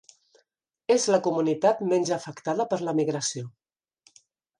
És la comunitat menys afectada per l'emigració.